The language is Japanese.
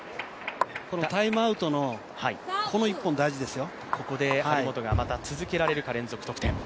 タイムアウトのこの１本大事ですよ。